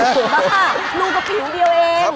บ้ารูกับผิวเดียวเอง